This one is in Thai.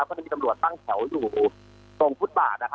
ก็จะมีตำรวจตั้งแถวอยู่ตรงฟุตบาท